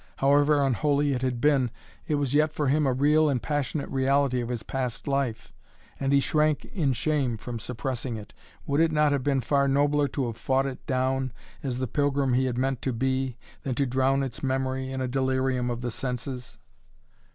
However unholy it had been, it was yet for him a real and passionate reality of his past life, and he shrank in shame from suppressing it. Would it not have been far nobler to have fought it down as the pilgrim he had meant to be than to drown its memory in a delirium of the senses?